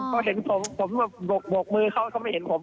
พอเห็นผมผมบกมือเขาก็ไม่เห็นผม